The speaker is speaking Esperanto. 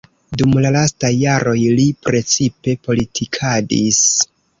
Dum la lastaj jaroj li precipe politikadis.